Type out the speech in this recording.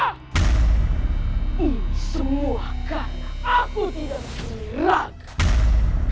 ini semua karena aku tidak punya raga